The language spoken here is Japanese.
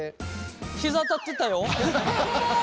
ひざ当たってたよ。